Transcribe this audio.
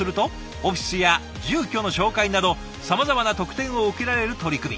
オフィスや住居の紹介などさまざまな特典を受けられる取り組み。